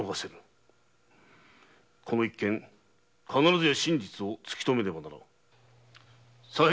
この一件必ずや真実を突き止めねばならない。